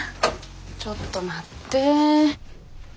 ちょっと待って。